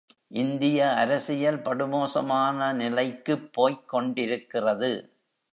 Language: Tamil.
இந்திய அரசியல் படுமோசமான நிலைக்குப்போய்க் கொண்டிருக்கிறது.